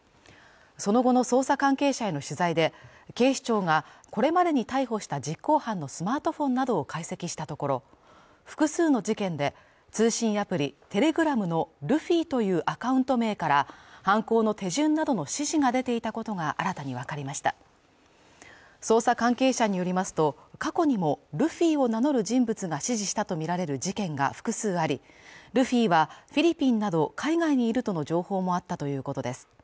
その後の捜査関係者への取材で警視庁がこれまでに逮捕した実行犯のスマートフォンなどを解析したところ複数の事件で通信アプリテレグラムのルフィというアカウント名から犯行の手順などの指示が出ていたことが新たに分かりました捜査関係者によりますと過去にもルフィを名乗る人物が指示したとみられる事件が複数ありルフィはフィリピンなど海外にいるとの情報もあったということです